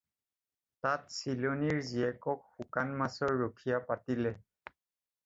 তাত চিলনীৰ জীয়েকক শুকান মাছৰ ৰখীয়া পাতিলে।